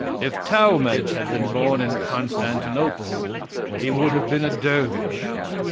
If Talmage had been born in Constantinople he would have been a dervish.